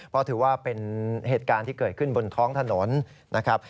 เพราะถือว่าเป็นเหตุการณ์ที่เกิดขึ้นบนท้องถนนนะครับ